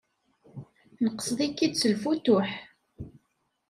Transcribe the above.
Nqesd-ik-id s lfutuḥ.